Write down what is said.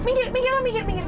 minggir minggir minggir minggir